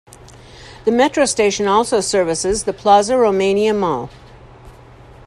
The metro station also services the Plaza Romania mall.